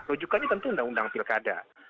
rujukannya tentu undang undang pilkada